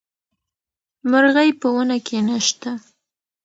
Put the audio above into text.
مرغۍ په ونه کې نه شته.